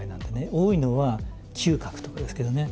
多いのは嗅覚とかですけどね。